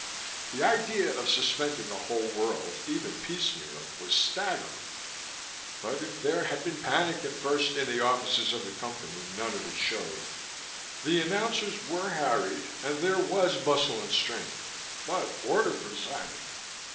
The idea of suspending a whole world, even piecemeal, was staggering. But if there had been panic at first in the offices of the Company, none of it showed. The announcers were harried and there was bustle and strain, but order presided.